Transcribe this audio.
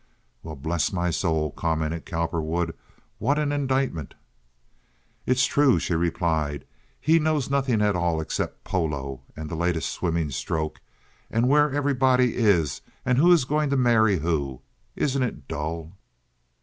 "Well, bless my soul," commented Cowperwood, "what an indictment!" "It's true," she replied. "He knows nothing at all except polo, and the latest swimming stroke, and where everybody is, and who is going to marry who. Isn't it dull?"